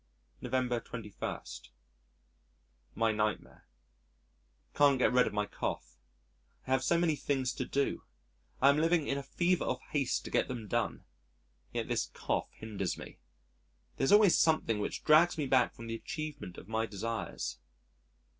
November 21. My Nightmare Can't get rid of my cough. I have so many things to do I am living in a fever of haste to get them done. Yet this cough hinders me. There is always something which drags me back from the achievement of my desires.